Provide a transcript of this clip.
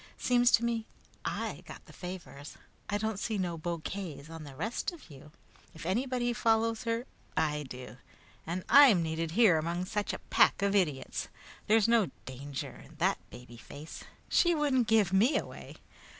Seems to me I got the favors. I didn't see no bouquets on the rest of you! If anybody follows her, I do, and I'm needed here among such a pack of idiots. There's no danger in that baby face. She wouldn't give me away!